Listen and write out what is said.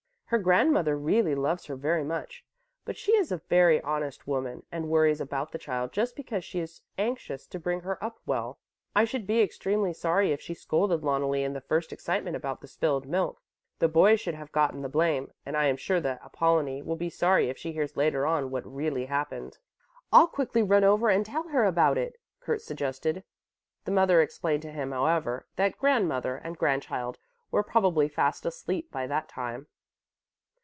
Her grandmother really loves her very much; but she is a very honest woman and worries about the child just because she is anxious to bring her up well. I should be extremely sorry if she scolded Loneli in the first excitement about the spilled milk. The boys should have gotten the blame, and I am sure that Apollonie will be sorry if she hears later on what really happened." "I'll quickly run over and tell her about it," Kurt suggested. The mother explained to him, however, that grandmother and grandchild were probably fast asleep by that time.